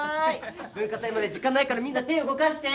文化祭まで時間ないからみんな手動かして。